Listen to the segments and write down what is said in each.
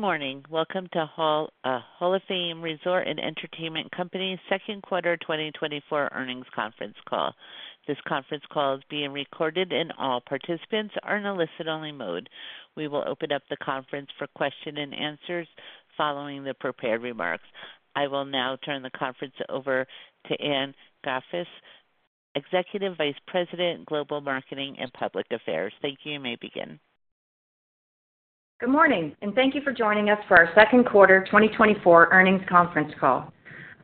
Good morning. Welcome to Hall of Fame Resort & Entertainment Company's second quarter 2024 earnings conference call. This conference call is being recorded, and all participants are in a listen-only mode. We will open up the conference for question and answers following the prepared remarks. I will now turn the conference over to Anne Graffice, Executive Vice President, Global Marketing and Public Affairs. Thank you. You may begin. Good morning, and thank you for joining us for our second quarter 2024 earnings conference call.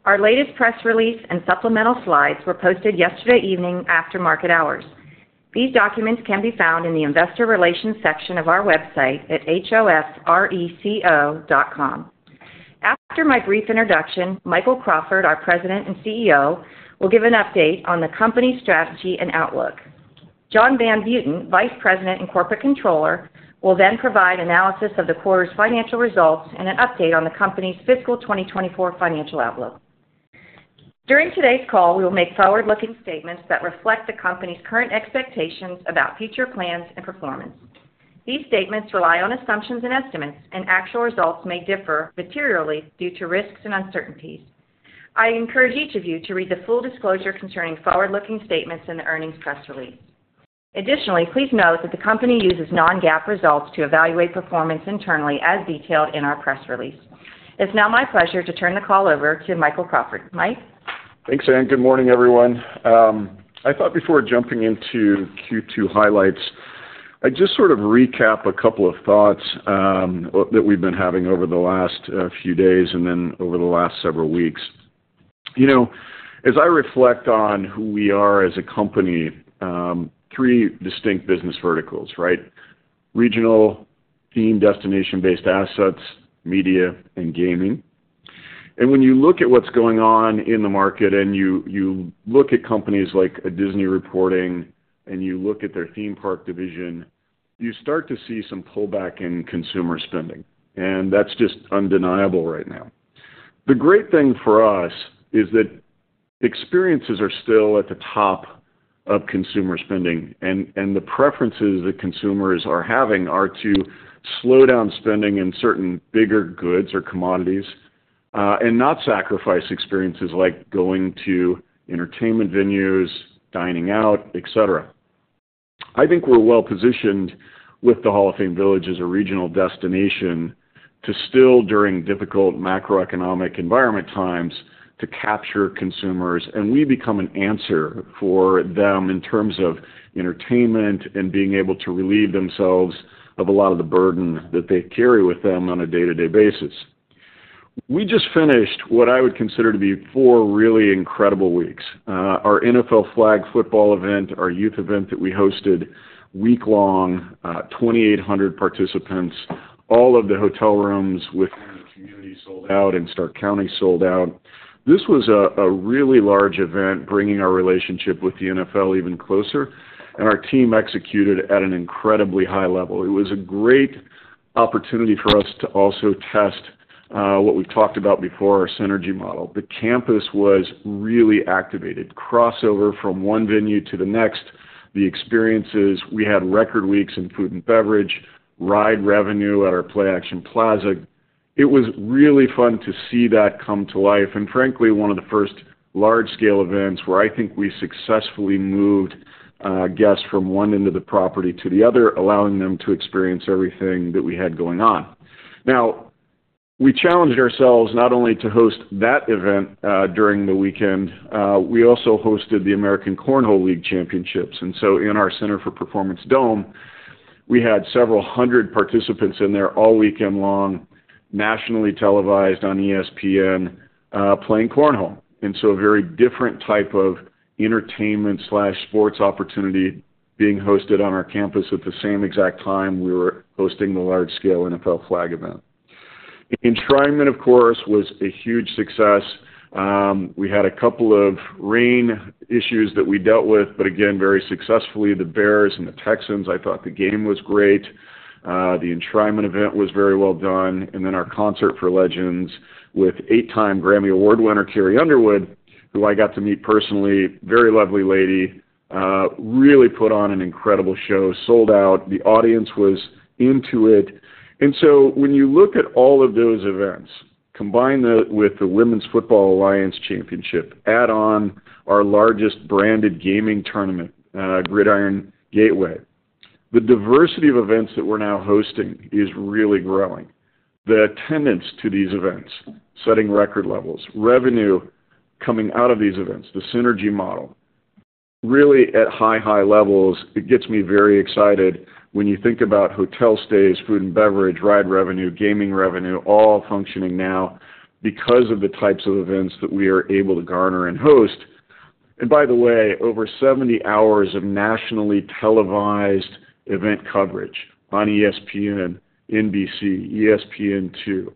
Our latest press release and supplemental slides were posted yesterday evening after market hours. These documents can be found in the Investor Relations section of our website at hofreco.com. After my brief introduction, Michael Crawford, our President and CEO, will give an update on the company's strategy and outlook. John Van Buiten, Vice President and Corporate Controller, will then provide analysis of the quarter's financial results and an update on the company's fiscal 2024 financial outlook. During today's call, we will make forward-looking statements that reflect the company's current expectations about future plans and performance. These statements rely on assumptions and estimates, and actual results may differ materially due to risks and uncertainties. I encourage each of you to read the full disclosure concerning forward-looking statements in the earnings press release. Additionally, please note that the company uses Non-GAAP results to evaluate performance internally, as detailed in our press release. It's now my pleasure to turn the call over to Michael Crawford. Mike? Thanks, Anne. Good morning, everyone. I thought before jumping into Q2 highlights, I'd just sort of recap a couple of thoughts that we've been having over the last few days and then over the last several weeks. You know, as I reflect on who we are as a company, three distinct business verticals, right? Regional, theme, destination-based assets, media, and gaming. And when you look at what's going on in the market, and you, you look at companies like Disney reporting, and you look at their theme park division, you start to see some pullback in consumer spending, and that's just undeniable right now. The great thing for us is that experiences are still at the top of consumer spending, and the preferences that consumers are having are to slow down spending in certain bigger goods or commodities, and not sacrifice experiences like going to entertainment venues, dining out, et cetera. I think we're well-positioned with the Hall of Fame Village as a regional destination to still, during difficult macroeconomic environment times, to capture consumers, and we become an answer for them in terms of entertainment and being able to relieve themselves of a lot of the burden that they carry with them on a day-to-day basis. We just finished what I would consider to be four really incredible weeks. Our NFL Flag football event, our youth event that we hosted week-long, 2,800 participants, all of the hotel rooms within the community sold out, and Stark County sold out. This was a really large event, bringing our relationship with the NFL even closer, and our team executed at an incredibly high level. It was a great opportunity for us to also test what we've talked about before, our synergy model. The campus was really activated. Crossover from one venue to the next, the experiences. We had record weeks in food and beverage, ride revenue at our Play-Action Plaza. It was really fun to see that come to life, and frankly, one of the first large-scale events where I think we successfully moved guests from one end of the property to the other, allowing them to experience everything that we had going on. Now, we challenged ourselves not only to host that event during the weekend, we also hosted the American Cornhole League Championships. And so in our Center for Performance, we had several hundred participants in there all weekend long, nationally televised on ESPN, playing cornhole. And so a very different type of entertainment/sports opportunity being hosted on our campus at the same exact time we were hosting the large-scale NFL Flag event. Enshrinement, of course, was a huge success. We had a couple of rain issues that we dealt with, but again, very successfully. The Bears and the Texans, I thought the game was great. The enshrinement event was very well done, and then our Concert for Legends with eight-time Grammy Award winner, Carrie Underwood, who I got to meet personally, very lovely lady, really put on an incredible show, sold out. The audience was into it. And so when you look at all of those events, combine that with the Women's Football Alliance Championship, add on our largest branded gaming tournament, Gridiron Gateway. The diversity of events that we're now hosting is really growing. The attendance to these events, setting record levels, revenue coming out of these events, the synergy model, really at high, high levels, it gets me very excited when you think about hotel stays, food and beverage, ride revenue, gaming revenue, all functioning now because of the types of events that we are able to garner and host. And by the way, over 70 hours of nationally televised event coverage on ESPN, NBC, ESPN2.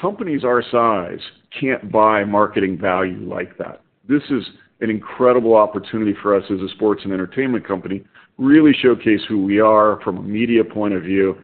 Companies our size can't buy marketing value like that. This is an incredible opportunity for us as a sports and entertainment company, really showcase who we are from a media point of view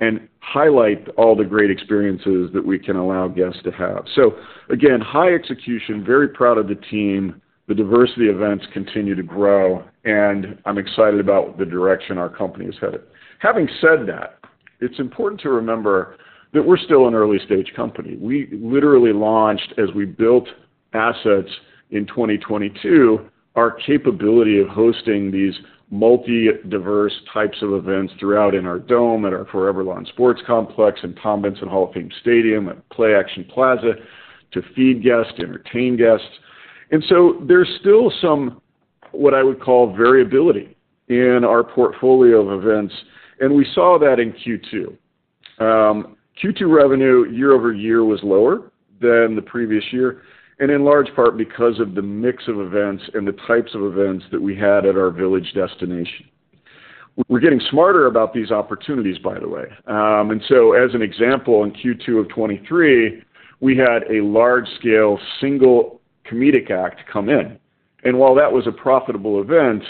and highlight all the great experiences that we can allow guests to have. So again, high execution, very proud of the team. The diversity events continue to grow, and I'm excited about the direction our company is headed. Having said that... It's important to remember that we're still an early-stage company. We literally launched as we built assets in 2022, our capability of hosting these multi diverse types of events throughout in our dome, at our ForeverLawn Sports Complex, and Tom Benson Hall of Fame Stadium, at Play-Action Plaza, to feed guests, to entertain guests. And so there's still some, what I would call variability in our portfolio of events, and we saw that in Q2. Q2 revenue year-over-year was lower than the previous year, and in large part because of the mix of events and the types of events that we had at our village destination. We're getting smarter about these opportunities, by the way. And so, as an example, in Q2 of 2023, we had a large-scale single comedic act come in. And while that was a profitable event,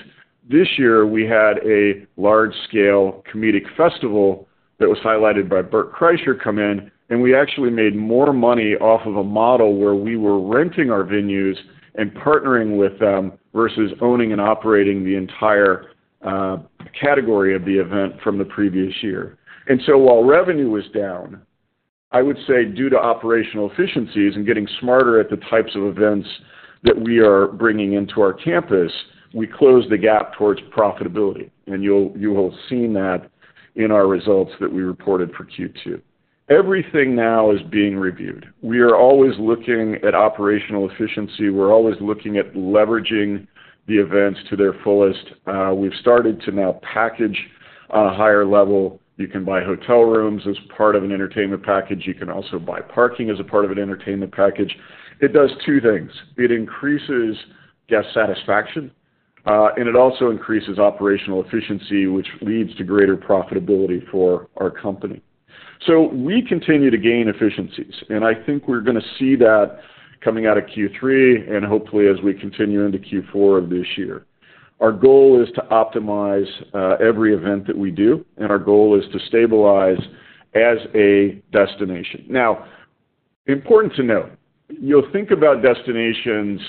this year, we had a large-scale comedic festival that was highlighted by Bert Kreischer come in, and we actually made more money off of a model where we were renting our venues and partnering with them versus owning and operating the entire category of the event from the previous year. So while revenue was down, I would say, due to operational efficiencies and getting smarter at the types of events that we are bringing into our campus, we closed the gap towards profitability, and you will have seen that in our results that we reported for Q2. Everything now is being reviewed. We are always looking at operational efficiency. We're always looking at leveraging the events to their fullest. We've started to now package a higher level. You can buy hotel rooms as part of an entertainment package. You can also buy parking as a part of an entertainment package. It does two things: It increases guest satisfaction, and it also increases operational efficiency, which leads to greater profitability for our company. So we continue to gain efficiencies, and I think we're going to see that coming out of Q3, and hopefully, as we continue into Q4 of this year. Our goal is to optimize every event that we do, and our goal is to stabilize as a destination. Now, important to note, you'll think about destinations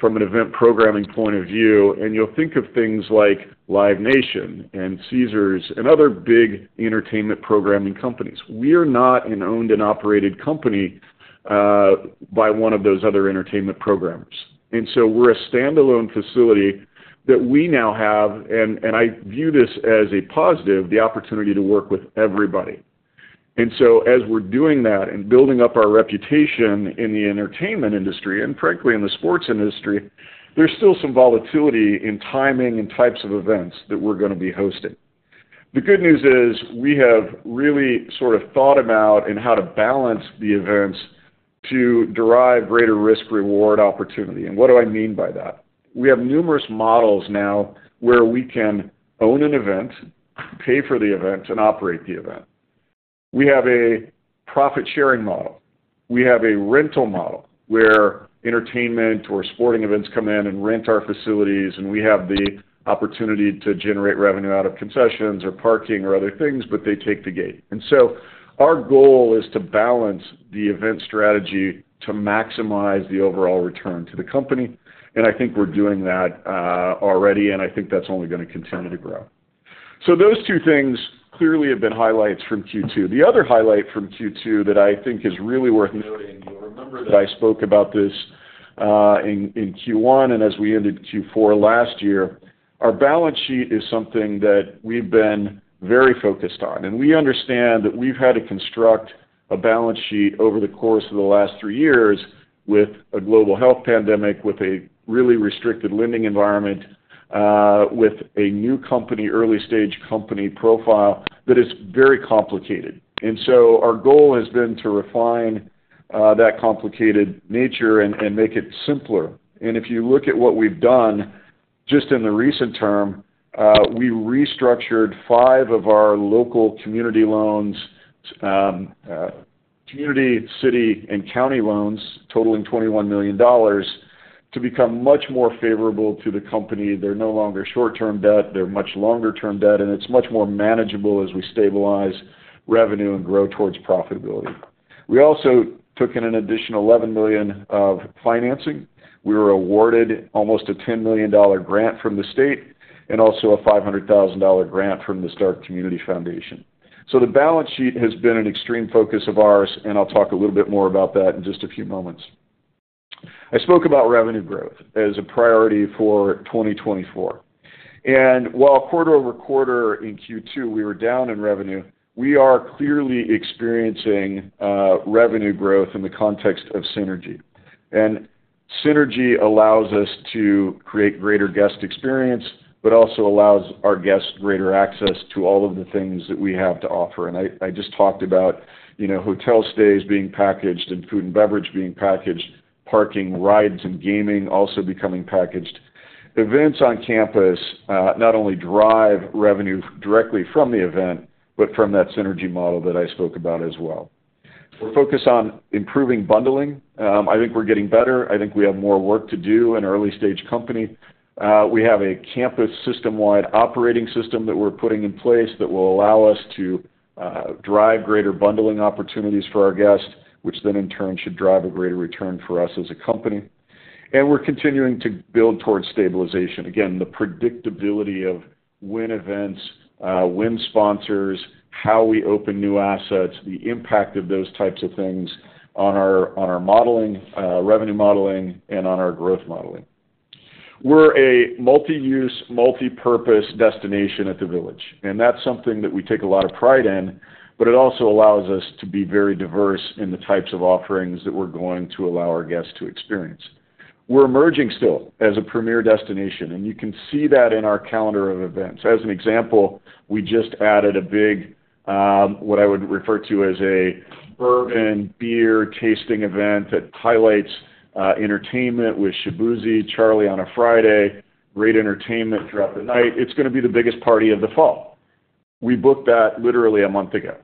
from an event programming point of view, and you'll think of things like Live Nation and Caesars and other big entertainment programming companies. We are not an owned and operated company by one of those other entertainment programmers, and so we're a standalone facility that we now have, and, and I view this as a positive, the opportunity to work with everybody. And so as we're doing that and building up our reputation in the entertainment industry and frankly, in the sports industry, there's still some volatility in timing and types of events that we're going to be hosting. The good news is, we have really sort of thought about and how to balance the events to derive greater risk-reward opportunity. And what do I mean by that? We have numerous models now where we can own an event, pay for the event, and operate the event. We have a profit-sharing model. We have a rental model where entertainment or sporting events come in and rent our facilities, and we have the opportunity to generate revenue out of concessions or parking or other things, but they take the gate. And so our goal is to balance the event strategy to maximize the overall return to the company, and I think we're doing that already, and I think that's only going to continue to grow. So those two things clearly have been highlights from Q2. The other highlight from Q2 that I think is really worth noting, and you'll remember that I spoke about this in Q1, and as we ended Q4 last year, our balance sheet is something that we've been very focused on, and we understand that we've had to construct a balance sheet over the course of the last three years with a global health pandemic, with a really restricted lending environment, with a new company, early-stage company profile that is very complicated. And so our goal has been to refine that complicated nature and make it simpler. If you look at what we've done just in the recent term, we restructured five of our local community loans, community, city, and county loans totaling $21 million to become much more favorable to the company. They're no longer short-term debt, they're much longer-term debt, and it's much more manageable as we stabilize revenue and grow towards profitability. We also took in an additional $11 million of financing. We were awarded almost a $10 million grant from the state and also a $500,000 grant from the Stark Community Foundation. The balance sheet has been an extreme focus of ours, and I'll talk a little bit more about that in just a few moments. I spoke about revenue growth as a priority for 2024, and while quarter-over-quarter in Q2, we were down in revenue, we are clearly experiencing revenue growth in the context of synergy. And synergy allows us to create greater guest experience, but also allows our guests greater access to all of the things that we have to offer. And I, I just talked about, you know, hotel stays being packaged and food and beverage being packaged, parking, rides, and gaming also becoming packaged. Events on campus not only drive revenue directly from the event, but from that synergy model that I spoke about as well. We're focused on improving bundling. I think we're getting better. I think we have more work to do in an early-stage company. We have a campus system-wide operating system that we're putting in place that will allow us to drive greater bundling opportunities for our guests, which then in turn, should drive a greater return for us as a company... We're continuing to build towards stabilization. Again, the predictability of when events, when sponsors, how we open new assets, the impact of those types of things on our modeling, revenue modeling and on our growth modeling. We're a multi-use, multipurpose destination at The Village, and that's something that we take a lot of pride in, but it also allows us to be very diverse in the types of offerings that we're going to allow our guests to experience. We're emerging still as a premier destination, and you can see that in our calendar of events. As an example, we just added a big, what I would refer to as a bourbon beer tasting event that highlights, entertainment with Shaboozey, Charlieonnafriday, great entertainment throughout the night. It's gonna be the biggest party of the fall. We booked that literally a month ago,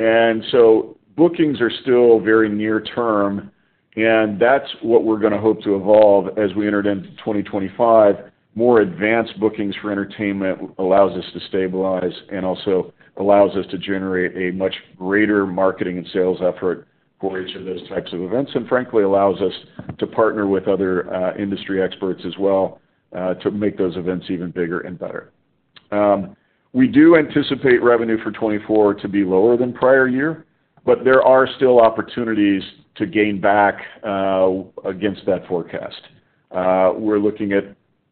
and so bookings are still very near term, and that's what we're gonna hope to evolve as we entered into 2025. More advanced bookings for entertainment allows us to stabilize and also allows us to generate a much greater marketing and sales effort for each of those types of events, and frankly, allows us to partner with other, industry experts as well, to make those events even bigger and better. We do anticipate revenue for 2024 to be lower than prior year, but there are still opportunities to gain back, against that forecast. We're looking at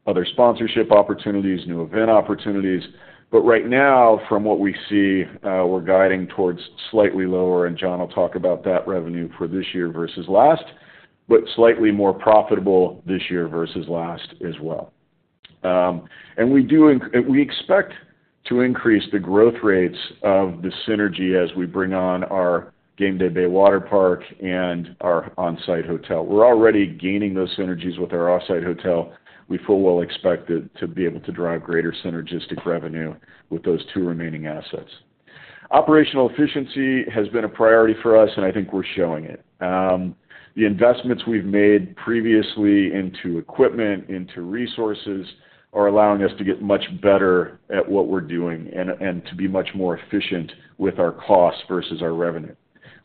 other sponsorship opportunities, new event opportunities, but right now, from what we see, we're guiding towards slightly lower, and John will talk about that revenue for this year versus last, but slightly more profitable this year versus last as well. And we do expect to increase the growth rates of the synergy as we bring on our Gameday Bay Waterpark and our on-site hotel. We're already gaining those synergies with our off-site hotel. We full well expect it to be able to drive greater synergistic revenue with those two remaining assets. Operational efficiency has been a priority for us, and I think we're showing it. The investments we've made previously into equipment, into resources, are allowing us to get much better at what we're doing and to be much more efficient with our costs versus our revenue.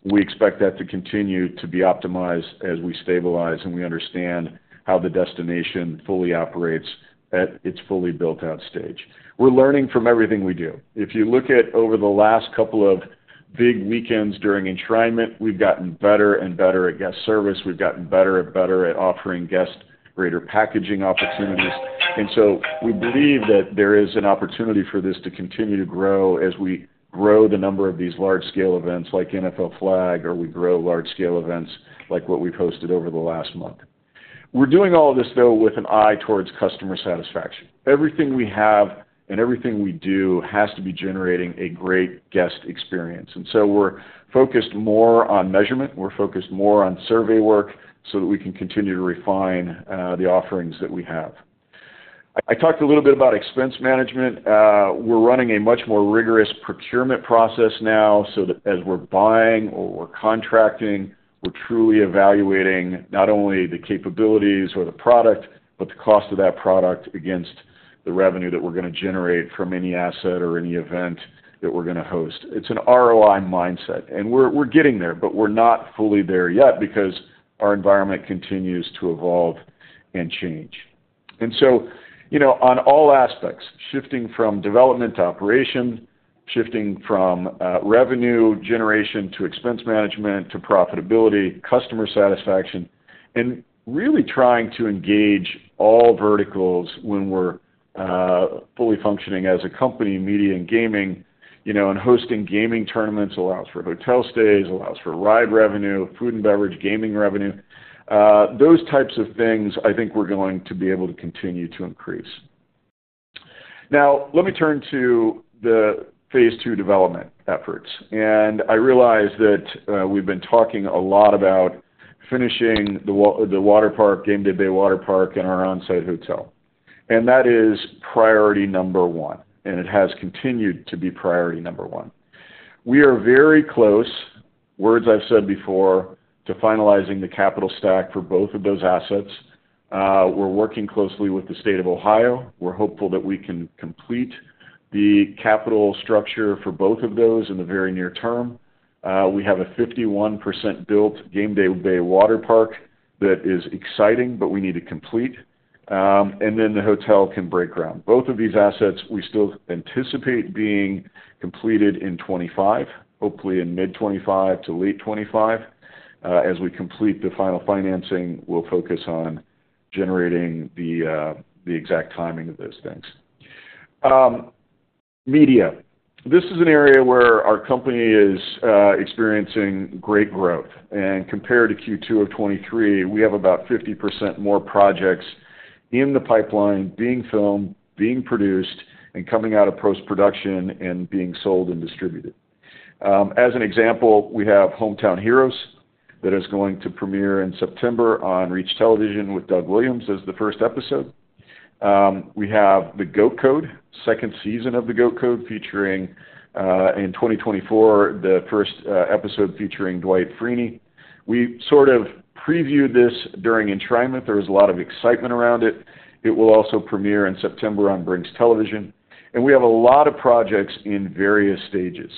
We expect that to continue to be optimized as we stabilize, and we understand how the destination fully operates at its fully built-out stage. We're learning from everything we do. If you look at over the last couple of big weekends during Enshrinement, we've gotten better and better at guest service. We've gotten better and better at offering guests greater packaging opportunities. And so we believe that there is an opportunity for this to continue to grow as we grow the number of these large-scale events, like NFL Flag, or we grow large-scale events like what we've hosted over the last month. We're doing all of this, though, with an eye towards customer satisfaction. Everything we have and everything we do has to be generating a great guest experience, and so we're focused more on measurement. We're focused more on survey work so that we can continue to refine the offerings that we have. I talked a little bit about expense management. We're running a much more rigorous procurement process now, so that as we're buying or we're contracting, we're truly evaluating not only the capabilities or the product, but the cost of that product against the revenue that we're gonna generate from any asset or any event that we're gonna host. It's an ROI mindset, and we're, we're getting there, but we're not fully there yet because our environment continues to evolve and change. And so, you know, on all aspects, shifting from development to operation, shifting from revenue generation to expense management, to profitability, customer satisfaction, and really trying to engage all verticals when we're fully functioning as a company in media and gaming, you know, and hosting gaming tournaments allows for hotel stays, allows for ride revenue, food and beverage, gaming revenue. Those types of things I think we're going to be able to continue to increase. Now, let me turn to the phase II development efforts. I realize that we've been talking a lot about finishing the water park, Gameday Bay Waterpark, and our on-site hotel, and that is priority number one, and it has continued to be priority number one. We are very close, words I've said before, to finalizing the capital stack for both of those assets. We're working closely with the State of Ohio. We're hopeful that we can complete the capital structure for both of those in the very near term. We have a 51% built Gameday Bay Waterpark that is exciting, but we need to complete, and then the hotel can break ground. Both of these assets, we still anticipate being completed in 2025, hopefully in mid-2025 to late 2025. As we complete the final financing, we'll focus on generating the, the exact timing of those things. Media. This is an area where our company is experiencing great growth, and compared to Q2 of 2023, we have about 50% more projects in the pipeline being filmed, being produced, and coming out of post-production and being sold and distributed. As an example, we have Hometown Heroes that is going to premiere in September on ReachTV, with Doug Williams as the first episode. We have The G.O.A.T. Code, second season of The G.O.A.T. Code, featuring in 2024, the first episode featuring Dwight Freeney. We sort of previewed this during Enshrinement. There was a lot of excitement around it. It will also premiere in September on Brinx.TV, and we have a lot of projects in various stages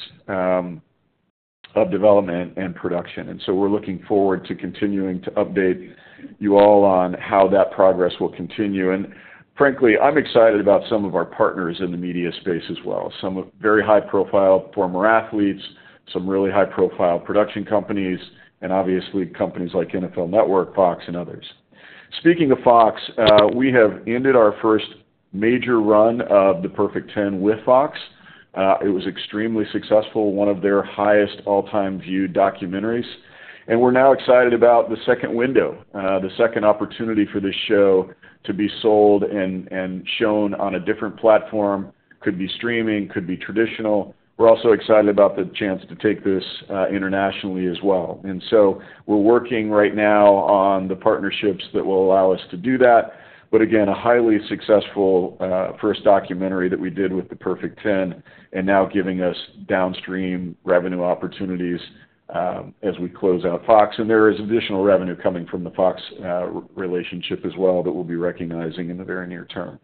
of development and production. And so we're looking forward to continuing to update you all on how that progress will continue. And frankly, I'm excited about some of our partners in the media space as well. Some of very high profile former athletes, some really high profile production companies, and obviously, companies like NFL Network, Fox, and others. Speaking of Fox, we have ended our first major run of The Perfect 10 with Fox. It was extremely successful, one of their highest all-time viewed documentaries. And we're now excited about the second window, the second opportunity for this show to be sold and, and shown on a different platform. Could be streaming, could be traditional. We're also excited about the chance to take this, internationally as well. And so we're working right now on the partnerships that will allow us to do that. But again, a highly successful, first documentary that we did with The Perfect 10, and now giving us downstream revenue opportunities, as we close out Fox. And there is additional revenue coming from the Fox, relationship as well, that we'll be recognizing in the very near term.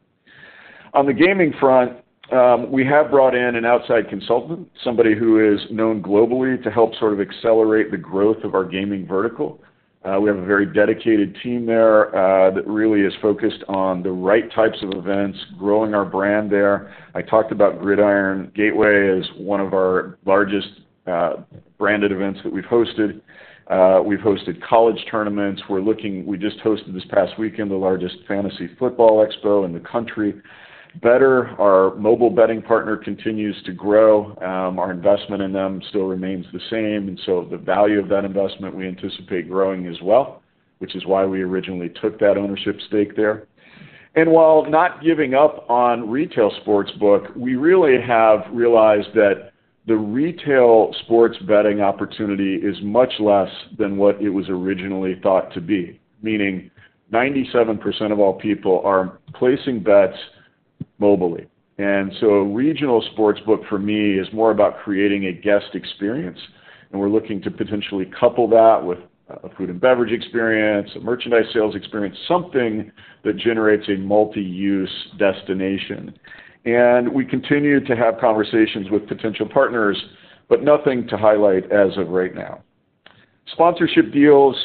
On the gaming front, we have brought in an outside consultant, somebody who is known globally to help sort of accelerate the growth of our gaming vertical. We have a very dedicated team there that really is focused on the right types of events, growing our brand there. I talked about Gridiron Gateway. It is one of our largest branded events that we've hosted. We've hosted college tournaments. We're looking. We just hosted this past weekend the largest fantasy football expo in the country. Betr, our mobile betting partner, continues to grow. Our investment in them still remains the same, and so the value of that investment, we anticipate growing as well, which is why we originally took that ownership stake there. And while not giving up on retail sportsbook, we really have realized that the retail sports betting opportunity is much less than what it was originally thought to be, meaning 97% of all people are placing bets mobilely. And so a regional sportsbook, for me, is more about creating a guest experience, and we're looking to potentially couple that with a food and beverage experience, a merchandise sales experience, something that generates a multi-use destination. And we continue to have conversations with potential partners, but nothing to highlight as of right now. Sponsorship deals,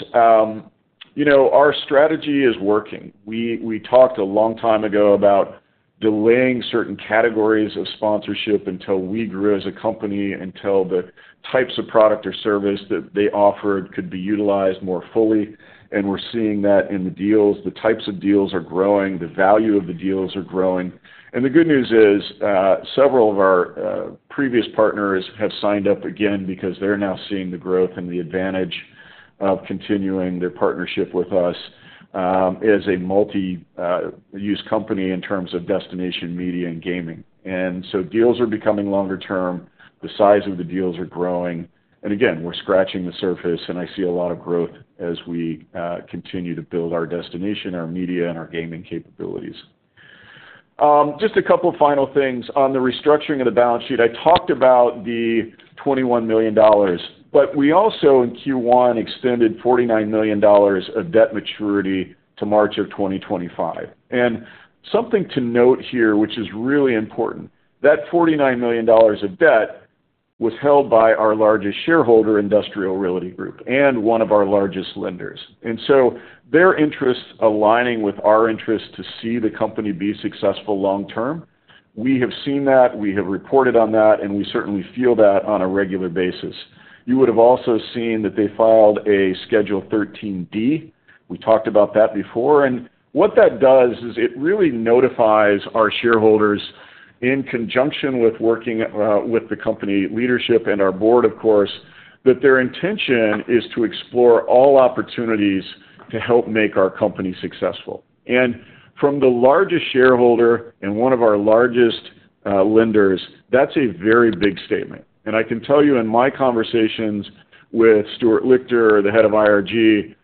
you know, our strategy is working. We talked a long time ago about delaying certain categories of sponsorship until we grew as a company, until the types of product or service that they offered could be utilized more fully, and we're seeing that in the deals. The types of deals are growing, the value of the deals are growing. The good news is, several of our previous partners have signed up again because they're now seeing the growth and the advantage of continuing their partnership with us, as a multi-use company in terms of destination, media, and gaming. So deals are becoming longer term. The size of the deals are growing, and again, we're scratching the surface, and I see a lot of growth as we continue to build our destination, our media, and our gaming capabilities. Just a couple final things. On the restructuring of the balance sheet, I talked about the $21 million, but we also, in Q1, extended $49 million of debt maturity to March of 2025. Something to note here, which is really important, that $49 million of debt was held by our largest shareholder, Industrial Realty Group, and one of our largest lenders. So their interests aligning with our interest to see the company be successful long term, we have seen that, we have reported on that, and we certainly feel that on a regular basis. You would have also seen that they filed a Schedule 13D. We talked about that before. What that does is it really notifies our shareholders, in conjunction with working with the company leadership and our board, of course, that their intention is to explore all opportunities to help make our company successful. From the largest shareholder and one of our largest lenders, that's a very big statement. I can tell you, in my conversations with Stuart Lichter, the head of IRG,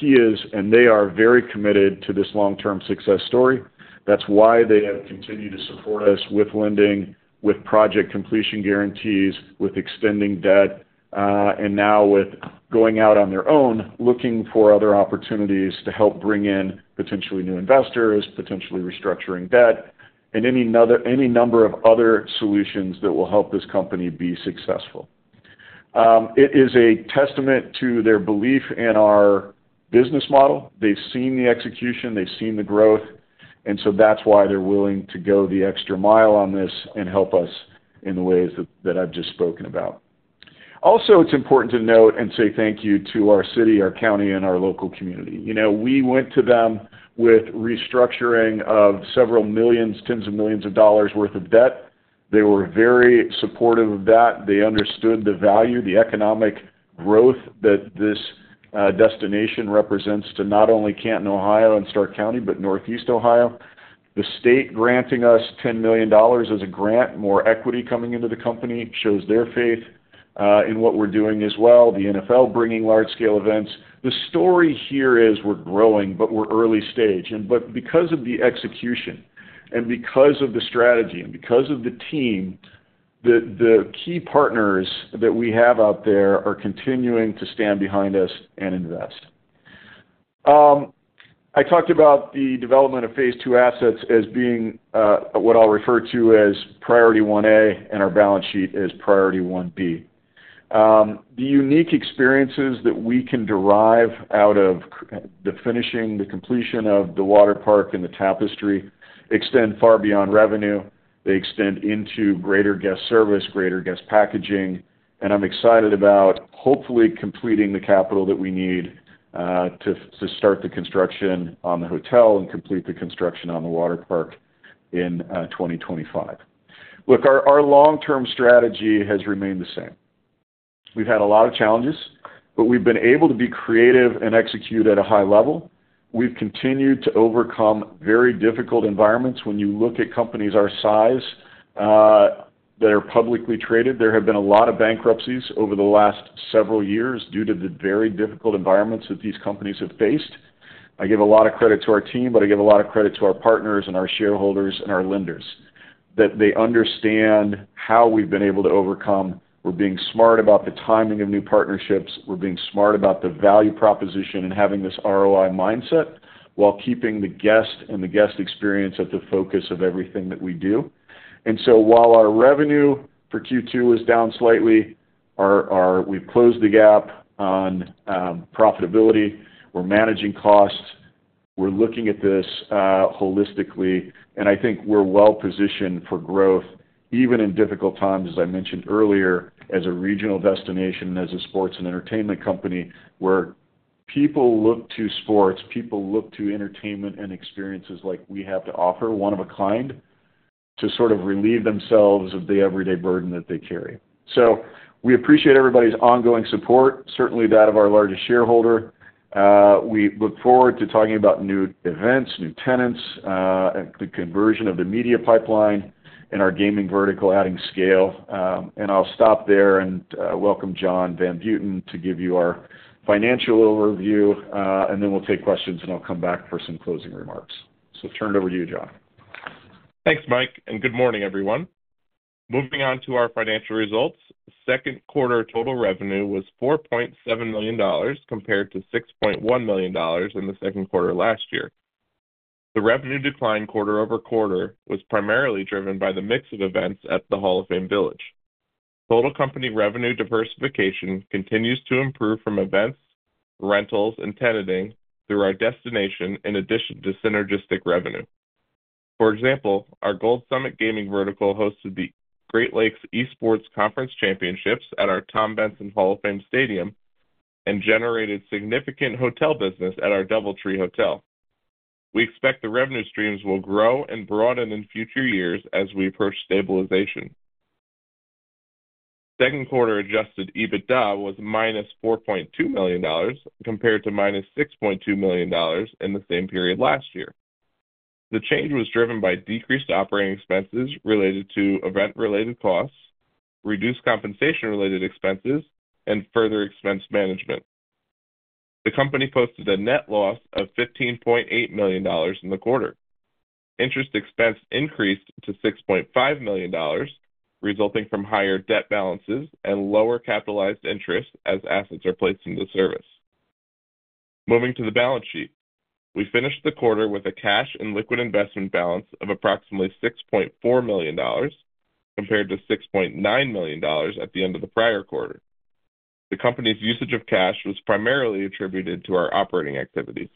he is, and they are very committed to this long-term success story. That's why they have continued to support us with lending, with project completion guarantees, with extending debt, and now with going out on their own, looking for other opportunities to help bring in potentially new investors, potentially restructuring debt, and any number of other solutions that will help this company be successful. It is a testament to their belief in our business model. They've seen the execution, they've seen the growth, and so that's why they're willing to go the extra mile on this and help us in the ways that I've just spoken about. Also, it's important to note and say thank you to our city, our county, and our local community. You know, we went to them with restructuring of several millions, tens of millions of dollars worth of debt. They were very supportive of that. They understood the value, the economic growth that this destination represents to not only Canton, Ohio, and Stark County, but Northeast Ohio. The state granting us $10 million as a grant, more equity coming into the company, shows their faith in what we're doing as well, the NFL bringing large-scale events. The story here is we're growing, but we're early stage. But because of the execution, and because of the strategy, and because of the team, the key partners that we have out there are continuing to stand behind us and invest. I talked about the development of phase II assets as being what I'll refer to as priority one A, and our balance sheet as priority one B. The unique experiences that we can derive out of the finishing, the completion of the water park and the Tapestry extend far beyond revenue. They extend into greater guest service, greater guest packaging, and I'm excited about hopefully completing the capital that we need to start the construction on the hotel and complete the construction on the water park in 2025. Look, our long-term strategy has remained the same. We've had a lot of challenges, but we've been able to be creative and execute at a high level. We've continued to overcome very difficult environments. When you look at companies our size, that are publicly traded, there have been a lot of bankruptcies over the last several years due to the very difficult environments that these companies have faced. I give a lot of credit to our team, but I give a lot of credit to our partners and our shareholders and our lenders, that they understand how we've been able to overcome. We're being smart about the timing of new partnerships. We're being smart about the value proposition and having this ROI mindset, while keeping the guest and the guest experience at the focus of everything that we do. And so while our revenue for Q2 is down slightly, we've closed the gap on profitability. We're managing costs. We're looking at this, holistically, and I think we're well positioned for growth, even in difficult times, as I mentioned earlier, as a regional destination, as a sports and entertainment company, where people look to sports, people look to entertainment and experiences like we have to offer, one of a kind, to sort of relieve themselves of the everyday burden that they carry. So we appreciate everybody's ongoing support, certainly that of our largest shareholder. We look forward to talking about new events, new tenants, the conversion of the media pipeline and our gaming vertical adding scale. And I'll stop there and, welcome John Van Buiten to give you our financial overview. And then we'll take questions, and I'll come back for some closing remarks. So turn it over to you, John. Thanks, Mike, and good morning, everyone. Moving on to our financial results. Second quarter total revenue was $4.7 million, compared to $6.1 million in the second quarter last year. The revenue decline quarter-over-quarter was primarily driven by the mix of events at the Hall of Fame Village. Total company revenue diversification continues to improve from events, rentals, and tenanting through our destination, in addition to synergistic revenue. For example, our Gold Summit Gaming vertical hosted the Great Lakes Esports Conference Championships at our Tom Benson Hall of Fame Stadium and generated significant hotel business at our DoubleTree Hotel. We expect the revenue streams will grow and broaden in future years as we approach stabilization. Second quarter Adjusted EBITDA was -$4.2 million, compared to -$6.2 million in the same period last year. The change was driven by decreased operating expenses related to event-related costs, reduced compensation-related expenses, and further expense management. The company posted a net loss of $15.8 million in the quarter. Interest expense increased to $6.5 million, resulting from higher debt balances and lower capitalized interest as assets are placed into service. Moving to the balance sheet. We finished the quarter with a cash and liquid investment balance of approximately $6.4 million, compared to $6.9 million at the end of the prior quarter. The company's usage of cash was primarily attributed to our operating activities.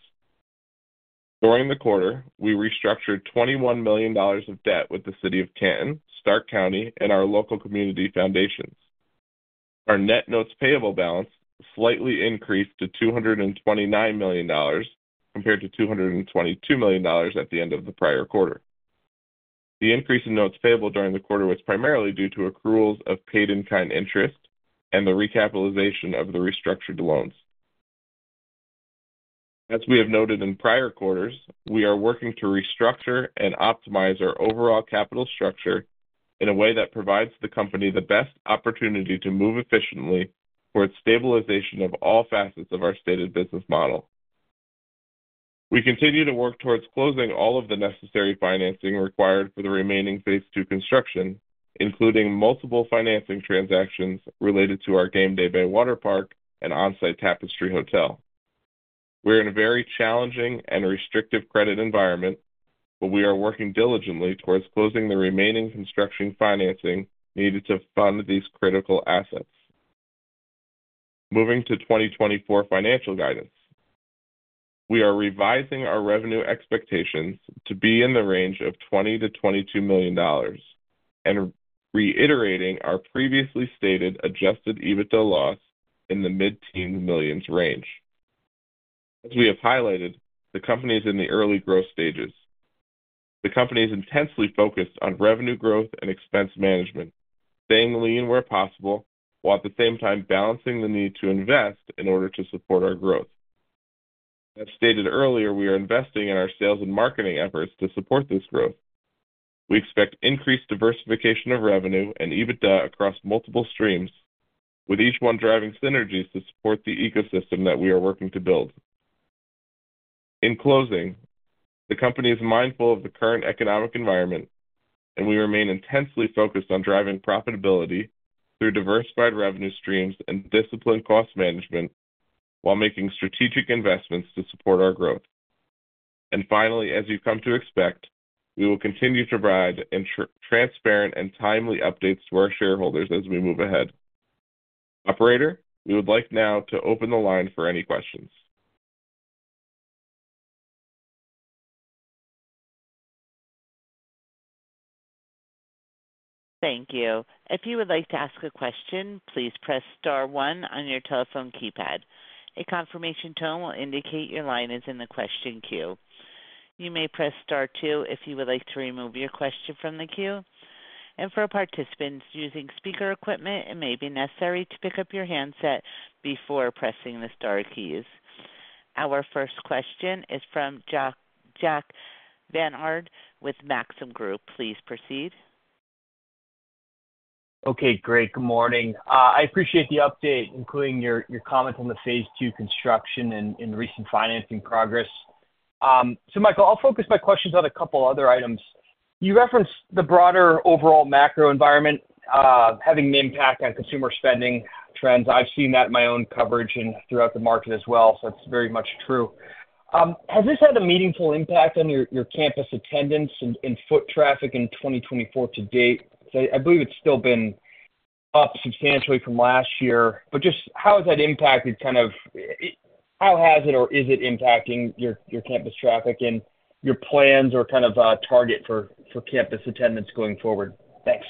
During the quarter, we restructured $21 million of debt with the city of Canton, Stark County, and our local community foundations. Our net notes payable balance slightly increased to $229 million, compared to $222 million at the end of the prior quarter. The increase in notes payable during the quarter was primarily due to accruals of paid in-kind interest and the recapitalization of the restructured loans. As we have noted in prior quarters, we are working to restructure and optimize our overall capital structure in a way that provides the company the best opportunity to move efficiently towards stabilization of all facets of our stated business model. We continue to work towards closing all of the necessary financing required for the remaining phase II construction, including multiple financing transactions related to our Gameday Bay Waterpark and on-site Tapestry Hotel. We're in a very challenging and restrictive credit environment, but we are working diligently towards closing the remaining construction financing needed to fund these critical assets. Moving to 2024 financial guidance. We are revising our revenue expectations to be in the range of $20 million-$22 million and reiterating our previously stated Adjusted EBITDA loss in the mid-teen millions range. As we have highlighted, the company is in the early growth stages. The company is intensely focused on revenue growth and expense management, staying lean where possible, while at the same time balancing the need to invest in order to support our growth. As stated earlier, we are investing in our sales and marketing efforts to support this growth. We expect increased diversification of revenue and EBITDA across multiple streams, with each one driving synergies to support the ecosystem that we are working to build. In closing, the company is mindful of the current economic environment.... and we remain intensely focused on driving profitability through diversified revenue streams and disciplined cost management, while making strategic investments to support our growth. Finally, as you've come to expect, we will continue to provide transparent and timely updates to our shareholders as we move ahead. Operator, we would like now to open the line for any questions. Thank you. If you would like to ask a question, please press star one on your telephone keypad. A confirmation tone will indicate your line is in the question queue. You may press star two if you would like to remove your question from the queue. For participants using speaker equipment, it may be necessary to pick up your handset before pressing the star keys. Our first question is from Jack, Jack Vander Aarde with Maxim Group. Please proceed. Okay, great. Good morning. I appreciate the update, including your, your comments on the phase II construction and, and recent financing progress. So Michael, I'll focus my questions on a couple other items. You referenced the broader overall macro environment, having an impact on consumer spending trends. I've seen that in my own coverage and throughout the market as well, so it's very much true. Has this had a meaningful impact on your, your campus attendance and, and foot traffic in 2024 to date? So I believe it's still been up substantially from last year, but just how has that impacted kind of—How has it or is it impacting your, your campus traffic and your plans or kind of, target for, for campus attendance going forward? Thanks.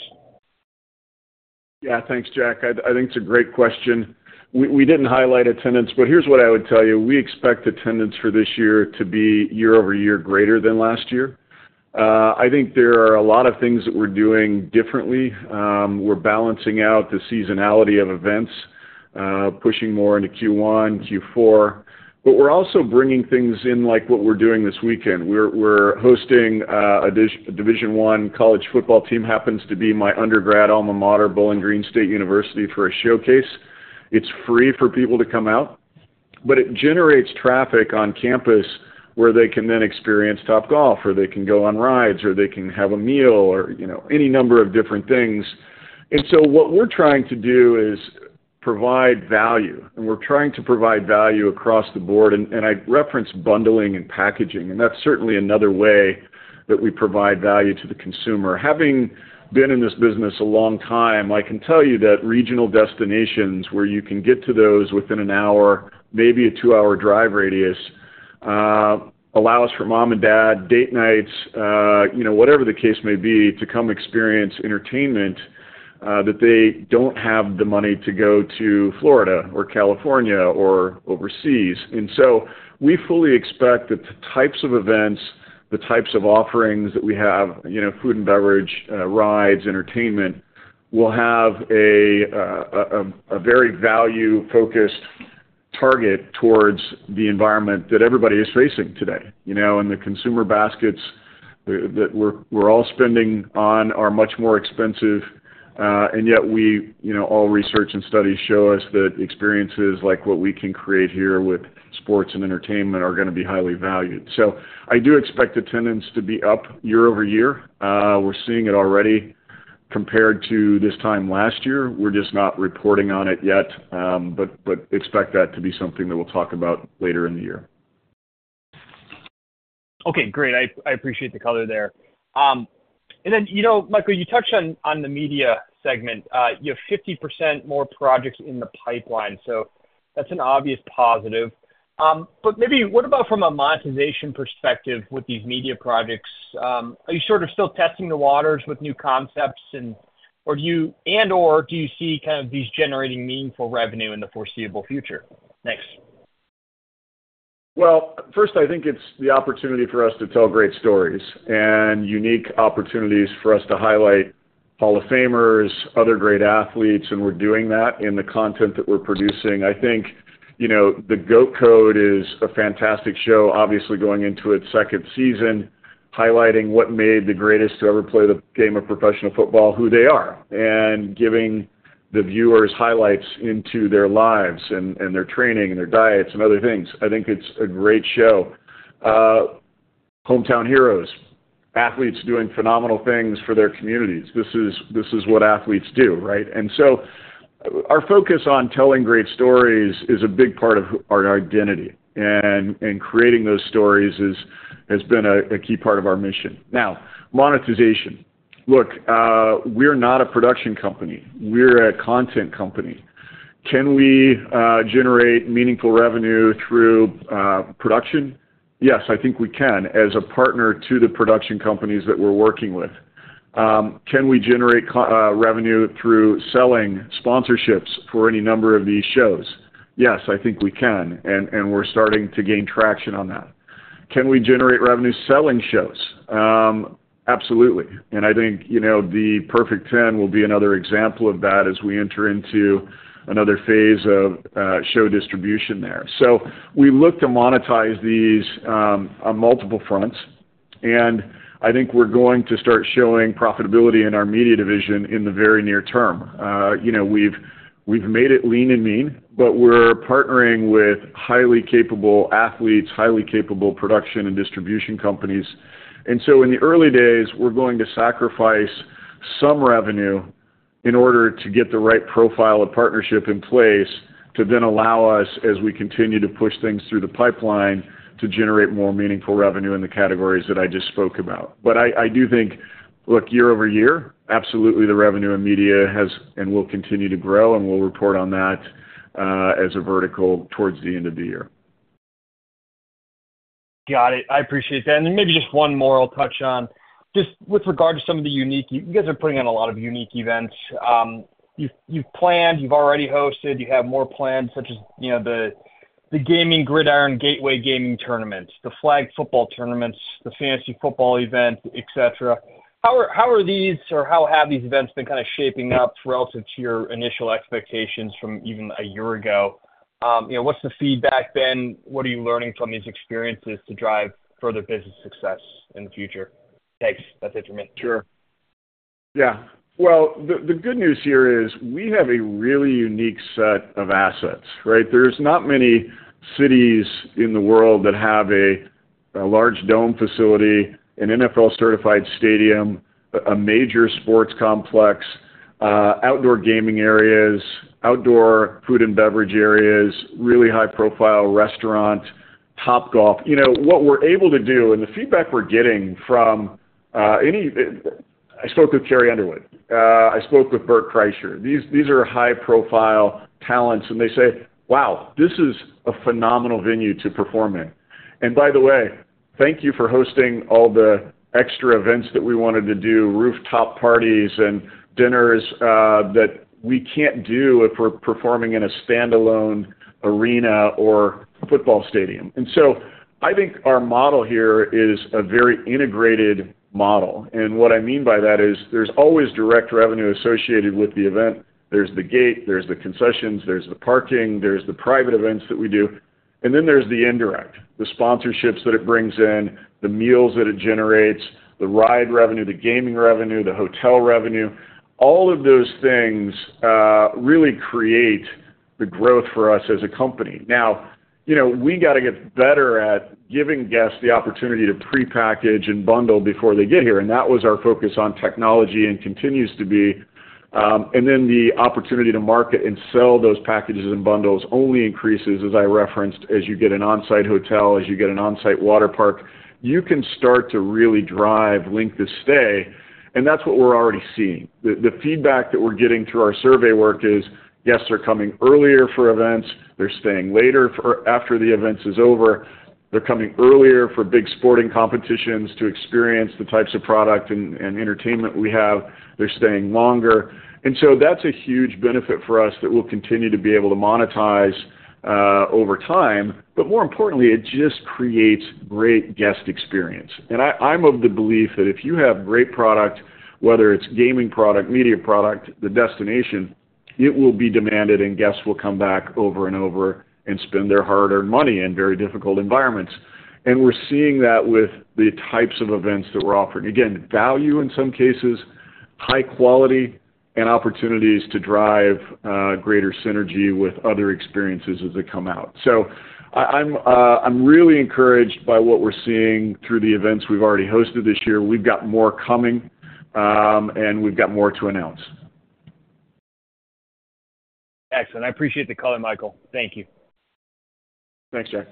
Yeah, thanks, Jack. I, I think it's a great question. We, we didn't highlight attendance, but here's what I would tell you: We expect attendance for this year to be year-over-year greater than last year. I think there are a lot of things that we're doing differently. We're balancing out the seasonality of events, pushing more into Q1, Q4, but we're also bringing things in, like what we're doing this weekend. We're, we're hosting a Division One college football team, happens to be my undergrad alma mater, Bowling Green State University, for a showcase. It's free for people to come out, but it generates traffic on campus where they can then experience Topgolf, or they can go on rides, or they can have a meal or, you know, any number of different things. What we're trying to do is provide value, and we're trying to provide value across the board. I referenced bundling and packaging, and that's certainly another way that we provide value to the consumer. Having been in this business a long time, I can tell you that regional destinations, where you can get to those within one hour, maybe a two-hour drive radius, allows for mom and dad, date nights, you know, whatever the case may be, to come experience entertainment, that they don't have the money to go to Florida or California or overseas. We fully expect that the types of events, the types of offerings that we have, you know, food and beverage, rides, entertainment, will have a very value-focused target towards the environment that everybody is facing today. You know, and the consumer baskets that we're all spending on are much more expensive, and yet we... You know, all research and studies show us that experiences like what we can create here with sports and entertainment are gonna be highly valued. So I do expect attendance to be up year-over-year. We're seeing it already compared to this time last year. We're just not reporting on it yet, but expect that to be something that we'll talk about later in the year. Okay, great. I appreciate the color there. And then, you know, Michael, you touched on the media segment. You have 50% more projects in the pipeline, so that's an obvious positive. But maybe what about from a monetization perspective with these media projects? Are you sort of still testing the waters with new concepts and/or do you see kind of these generating meaningful revenue in the foreseeable future? Thanks. Well, first, I think it's the opportunity for us to tell great stories and unique opportunities for us to highlight Hall of Famers, other great athletes, and we're doing that in the content that we're producing. I think, you know, The G.O.A.T. Code is a fantastic show, obviously, going into its second season, highlighting what made the greatest to ever play the game of professional football, who they are, and giving the viewers highlights into their lives and, and their training and their diets and other things. I think it's a great show. Hometown Heroes, athletes doing phenomenal things for their communities. This is, this is what athletes do, right? And so our focus on telling great stories is a big part of our identity, and, and creating those stories is has been a, a key part of our mission. Now, monetization. Look, we're not a production company. We're a content company. Can we generate meaningful revenue through production? Yes, I think we can, as a partner to the production companies that we're working with. Can we generate revenue through selling sponsorships for any number of these shows? Yes, I think we can, and we're starting to gain traction on that. Can we generate revenue selling shows? Absolutely. And I think, you know, The Perfect 10 will be another example of that as we enter into another phase of show distribution there. So we look to monetize these on multiple fronts, and I think we're going to start showing profitability in our media division in the very near term. You know, we've made it lean and mean, but we're partnering with highly capable athletes, highly capable production and distribution companies. And so in the early days, we're going to sacrifice... some revenue in order to get the right profile of partnership in place to then allow us, as we continue to push things through the pipeline, to generate more meaningful revenue in the categories that I just spoke about. But I, I do think, look, year-over-year, absolutely the revenue in media has and will continue to grow, and we'll report on that as a vertical towards the end of the year. Got it. I appreciate that. And then maybe just one more I'll touch on. Just with regard to some of the unique—you guys are putting on a lot of unique events. You've planned, you've already hosted, you have more planned, such as, you know, the gaming Gridiron Gateway gaming tournaments, the flag football tournaments, the fantasy football event, et cetera. How are these, or how have these events been kind of shaping up relative to your initial expectations from even a year ago? You know, what's the feedback been? What are you learning from these experiences to drive further business success in the future? Thanks. That's it for me. Sure. Yeah. Well, the good news here is we have a really unique set of assets, right? There's not many cities in the world that have a large dome facility, an NFL-certified stadium, a major sports complex, outdoor gaming areas, outdoor food and beverage areas, really high-profile restaurant, Topgolf. You know, what we're able to do and the feedback we're getting from I spoke with Carrie Underwood, I spoke with Bert Kreischer. These, these are high-profile talents, and they say, "Wow, this is a phenomenal venue to perform in. And by the way, thank you for hosting all the extra events that we wanted to do, rooftop parties and dinners, that we can't do if we're performing in a standalone arena or football stadium." And so I think our model here is a very integrated model, and what I mean by that is there's always direct revenue associated with the event. There's the gate, there's the concessions, there's the parking, there's the private events that we do, and then there's the indirect, the sponsorships that it brings in, the meals that it generates, the ride revenue, the gaming revenue, the hotel revenue. All of those things, really create the growth for us as a company. Now, you know, we got to get better at giving guests the opportunity to prepackage and bundle before they get here, and that was our focus on technology and continues to be. And then the opportunity to market and sell those packages and bundles only increases, as I referenced, as you get an on-site hotel, as you get an on-site water park. You can start to really drive length of stay, and that's what we're already seeing. The feedback that we're getting through our survey work is guests are coming earlier for events, they're staying later after the events is over. They're coming earlier for big sporting competitions to experience the types of product and entertainment we have. They're staying longer. And so that's a huge benefit for us that we'll continue to be able to monetize over time. But more importantly, it just creates great guest experience. I'm of the belief that if you have great product, whether it's gaming product, media product, the destination, it will be demanded, and guests will come back over and over and spend their hard-earned money in very difficult environments. We're seeing that with the types of events that we're offering. Again, value in some cases, high quality, and opportunities to drive greater synergy with other experiences as they come out. I'm really encouraged by what we're seeing through the events we've already hosted this year. We've got more coming, and we've got more to announce. Excellent. I appreciate the call, Michael. Thank you. Thanks, Jack.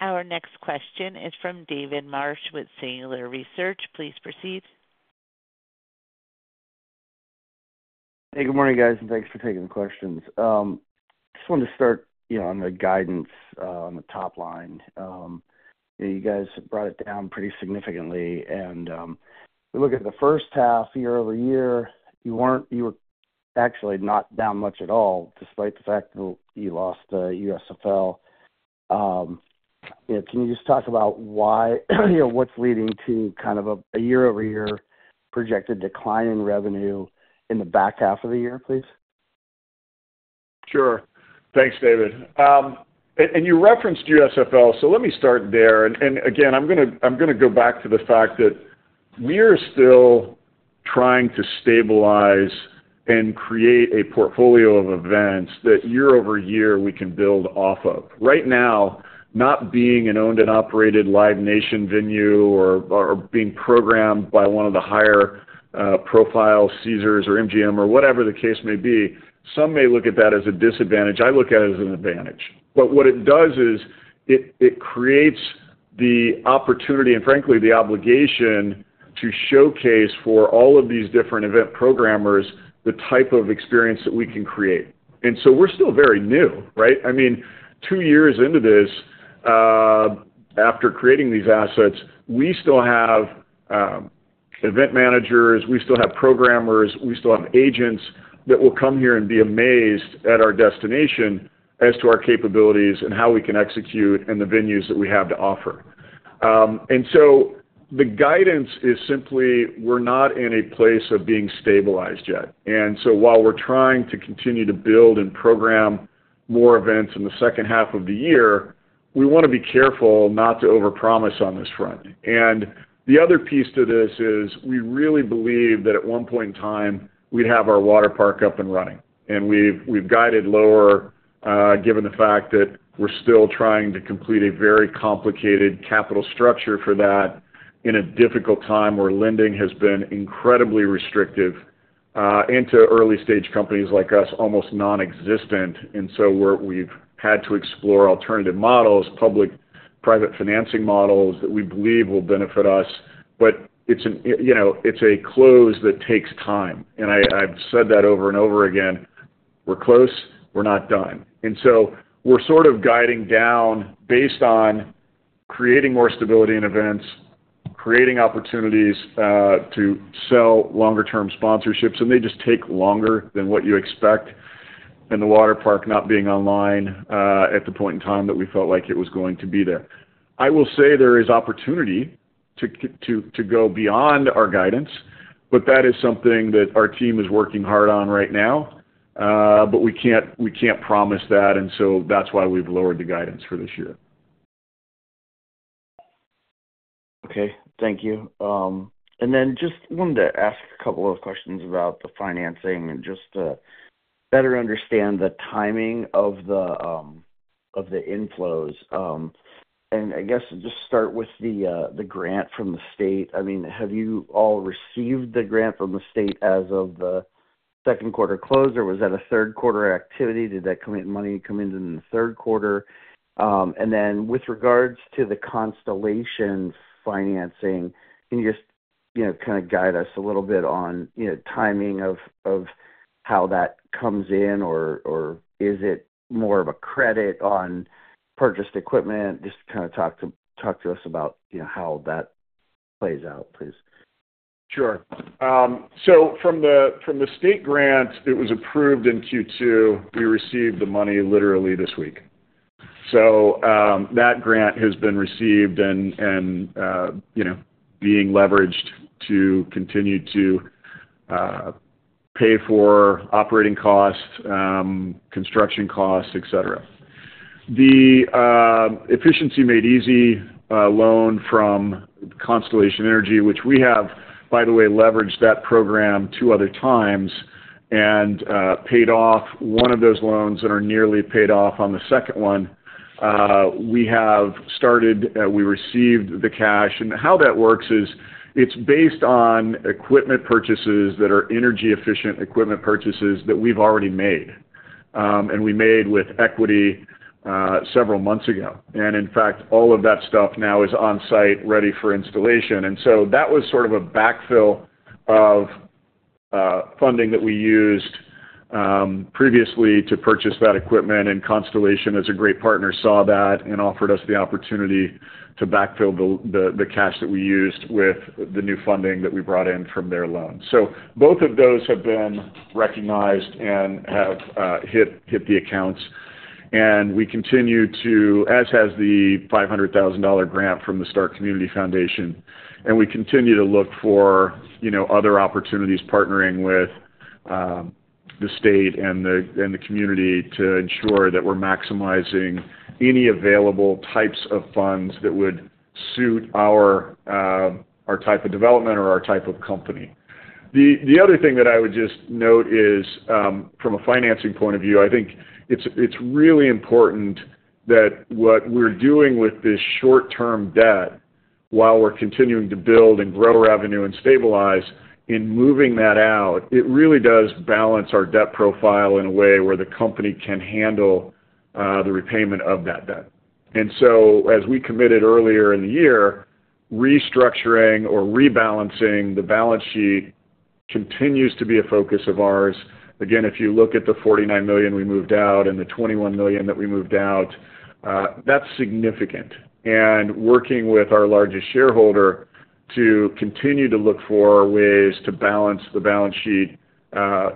Our next question is from David Marsh with Singular Research. Please proceed. Hey, good morning, guys, and thanks for taking the questions. Just wanted to start, you know, on the guidance, on the top line. You guys brought it down pretty significantly, and, if you look at the first half year-over-year, you were actually not down much at all, despite the fact that you lost the USFL. You know, can you just talk about why, you know, what's leading to kind of a year-over-year projected decline in revenue in the back half of the year, please? Sure. Thanks, David. And you referenced USFL, so let me start there. And again, I'm gonna go back to the fact that we're still trying to stabilize and create a portfolio of events that year-over-year we can build off of. Right now, not being an owned and operated Live Nation venue or being programmed by one of the higher profile Caesars or MGM or whatever the case may be, some may look at that as a disadvantage. I look at it as an advantage. But what it does is, it creates the opportunity and frankly, the obligation to showcase for all of these different event programmers, the type of experience that we can create. And so we're still very new, right? I mean, two years into this, after creating these assets, we still have event managers, we still have programmers, we still have agents that will come here and be amazed at our destination as to our capabilities and how we can execute, and the venues that we have to offer. And so the guidance is simply, we're not in a place of being stabilized yet. And so while we're trying to continue to build and program more events in the second half of the year, we wanna be careful not to overpromise on this front. And the other piece to this is, we really believe that at one point in time, we'd have our water park up and running. And we've guided lower, given the fact that we're still trying to complete a very complicated capital structure for that in a difficult time, where lending has been incredibly restrictive into early stage companies like us, almost non-existent. And so we've had to explore alternative models, public, private financing models, that we believe will benefit us. But it's an, you know, it's a close that takes time, and I, I've said that over and over again. We're close, we're not done. And so we're sort of guiding down based on creating more stability in events, creating opportunities to sell longer term sponsorships, and they just take longer than what you expect, and the water park not being online at the point in time that we felt like it was going to be there. I will say there is opportunity to go beyond our guidance, but that is something that our team is working hard on right now. But we can't promise that, and so that's why we've lowered the guidance for this year. Okay, thank you. And then just wanted to ask a couple of questions about the financing and just to better understand the timing of the, of the inflows. And I guess just start with the, the grant from the state. I mean, have you all received the grant from the state as of the second quarter close, or was that a third quarter activity? Did that money come in in the third quarter? And then with regards to the Constellation's financing, can you just, you know, kind of guide us a little bit on, you know, timing of, of how that comes in, or, or is it more of a credit on purchased equipment? Just kind of talk to, talk to us about, you know, how that plays out, please. Sure. So from the state grant, it was approved in Q2, we received the money literally this week. So, that grant has been received and, you know, being leveraged to continue to pay for operating costs, construction costs, et cetera. The Efficiency Made Easy loan from Constellation Energy, which we have, by the way, leveraged that program two other times and paid off one of those loans and are nearly paid off on the second one, we received the cash. And how that works is, it's based on equipment purchases that are energy efficient equipment purchases that we've already made, and we made with equity several months ago. And in fact, all of that stuff now is on site, ready for installation. So that was sort of a backfill of funding that we used previously to purchase that equipment, and Constellation, as a great partner, saw that and offered us the opportunity to backfill the cash that we used with the new funding that we brought in from their loan. So both of those have been recognized and have hit the accounts, and we continue to... as has the $500,000 grant from the Stark Community Foundation. And we continue to look for, you know, other opportunities, partnering with the state and the community to ensure that we're maximizing any available types of funds that would suit our type of development or our type of company. The other thing that I would just note is, from a financing point of view, I think it's, it's really important that what we're doing with this short-term debt, while we're continuing to build and grow revenue and stabilize, in moving that out, it really does balance our debt profile in a way where the company can handle the repayment of that debt. And so, as we committed earlier in the year, restructuring or rebalancing the balance sheet continues to be a focus of ours. Again, if you look at the $49 million we moved out and the $21 million that we moved out, that's significant. And working with our largest shareholder to continue to look for ways to balance the balance sheet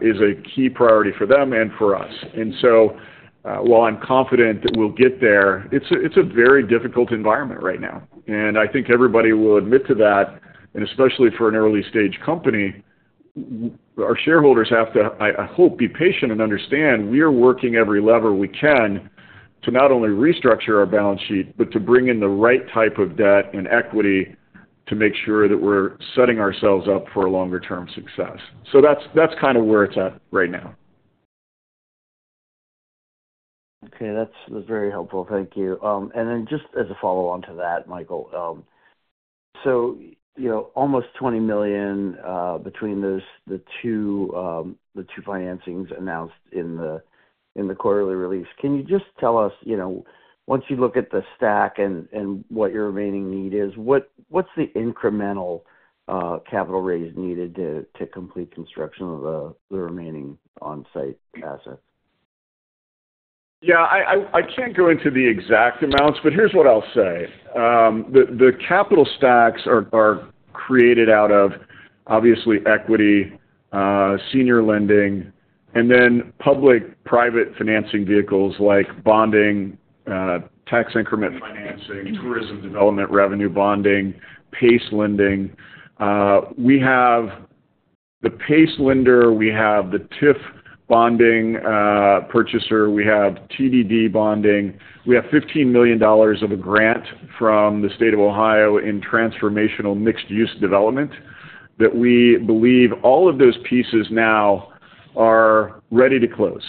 is a key priority for them and for us. And so, while I'm confident that we'll get there, it's a very difficult environment right now, and I think everybody will admit to that, and especially for an early stage company, our shareholders have to, I hope, be patient and understand we are working every lever we can to not only restructure our balance sheet, but to bring in the right type of debt and equity to make sure that we're setting ourselves up for a longer term success. So that's kind of where it's at right now. Okay. That's, that's very helpful. Thank you. And then just as a follow-on to that, Michael, so you know, almost $20 million between those, the two, the two financings announced in the, in the quarterly release. Can you just tell us, you know, once you look at the stack and, and what your remaining need is, what, what's the incremental, capital raise needed to, to complete construction of the, the remaining on-site assets? Yeah, I can't go into the exact amounts, but here's what I'll say: The capital stacks are created out of, obviously, equity, senior lending, and then public-private financing vehicles like bonding, tax increment financing, tourism development revenue bonding, PACE lending. We have the PACE lender, we have the TIF bonding purchaser, we have TDD bonding. We have $15 million of a grant from the State of Ohio in Transformational Mixed-Use Development that we believe all of those pieces now are ready to close.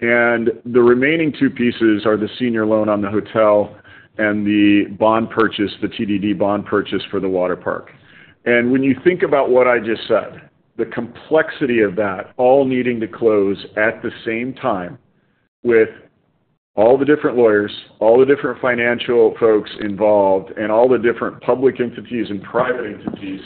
And the remaining two pieces are the senior loan on the hotel and the bond purchase, the TDD bond purchase for the water park. When you think about what I just said, the complexity of that all needing to close at the same time with all the different lawyers, all the different financial folks involved, and all the different public entities and private entities,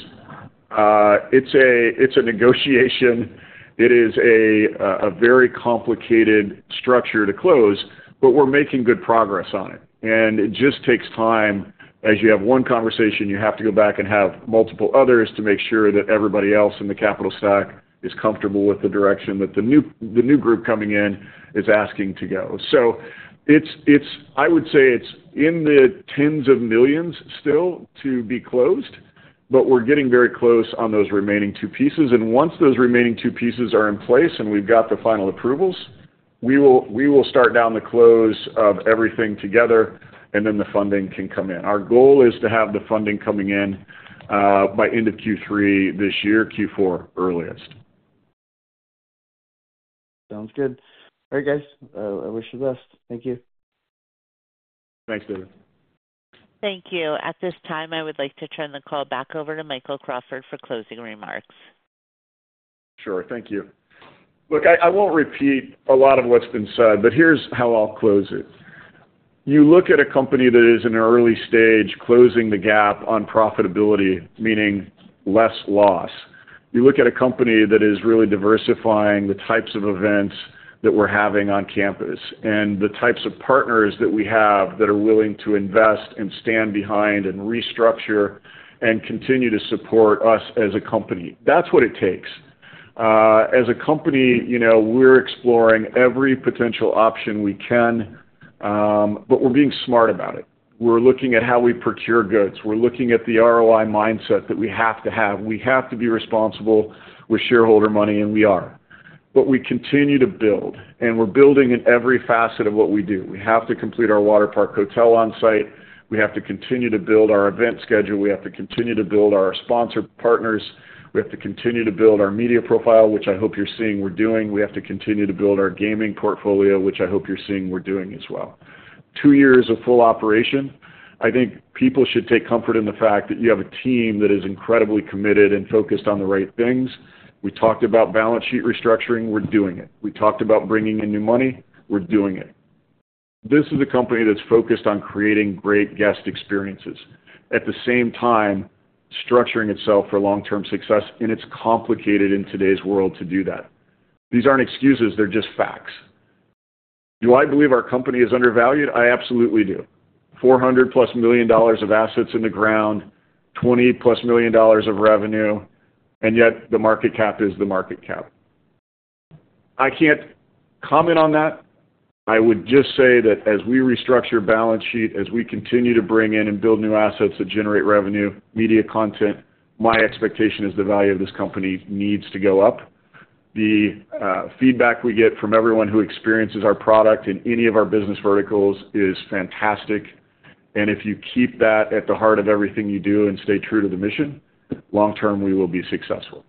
it's a negotiation. It is a very complicated structure to close, but we're making good progress on it, and it just takes time. As you have one conversation, you have to go back and have multiple others to make sure that everybody else in the capital stack is comfortable with the direction that the new group coming in is asking to go. So it's, I would say it's in the $10s of millions still to be closed, but we're getting very close on those remaining two pieces. Once those remaining two pieces are in place and we've got the final approvals, we will start down the close of everything together, and then the funding can come in. Our goal is to have the funding coming in by end of Q3 this year, Q4 earliest. Sounds good. All right, guys, I wish you the best. Thank you. Thanks, David. Thank you. At this time, I would like to turn the call back over to Michael Crawford for closing remarks. Sure. Thank you. Look, I won't repeat a lot of what's been said, but here's how I'll close it. You look at a company that is in an early stage, closing the gap on profitability, meaning less loss. You look at a company that is really diversifying the types of events that we're having on campus and the types of partners that we have that are willing to invest and stand behind and restructure and continue to support us as a company. That's what it takes. As a company, you know, we're exploring every potential option we can, but we're being smart about it. We're looking at how we procure goods. We're looking at the ROI mindset that we have to have. We have to be responsible with shareholder money, and we are. But we continue to build, and we're building in every facet of what we do. We have to complete our water park hotel on site. We have to continue to build our event schedule. We have to continue to build our sponsor partners. We have to continue to build our media profile, which I hope you're seeing we're doing. We have to continue to build our gaming portfolio, which I hope you're seeing we're doing as well. Two years of full operation, I think people should take comfort in the fact that you have a team that is incredibly committed and focused on the right things. We talked about balance sheet restructuring. We're doing it. We talked about bringing in new money. We're doing it. This is a company that's focused on creating great guest experiences, at the same time, structuring itself for long-term success, and it's complicated in today's world to do that. These aren't excuses, they're just facts. Do I believe our company is undervalued? I absolutely do. $400+ million of assets in the ground, $20+ million of revenue, and yet the market cap is the market cap. I can't comment on that. I would just say that as we restructure balance sheet, as we continue to bring in and build new assets that generate revenue, media content, my expectation is the value of this company needs to go up. The feedback we get from everyone who experiences our product in any of our business verticals is fantastic, and if you keep that at the heart of everything you do and stay true to the mission, long term, we will be successful.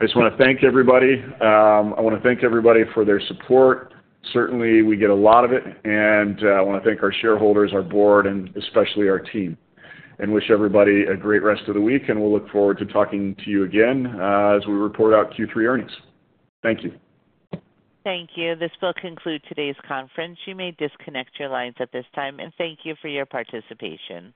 I just want to thank everybody. I want to thank everybody for their support. Certainly, we get a lot of it, and I want to thank our shareholders, our board, and especially our team, and wish everybody a great rest of the week, and we'll look forward to talking to you again, as we report out Q3 earnings. Thank you. Thank you. This will conclude today's conference. You may disconnect your lines at this time, and thank you for your participation.